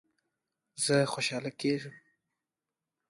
زه خوشحاله کیږم